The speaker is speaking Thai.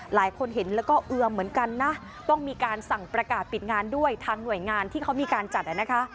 หลายคนเห็นแล้วก็เอือมเหมือนกันนะต้องมีการสั่งประกาศปิดงานด้วยทางหน่วยงานที่เขามีการจัดนะคะ